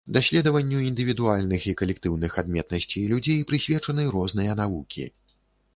Даследаванню індывідуальных і калектыўных адметнасці людзей прысвечаны розныя навукі.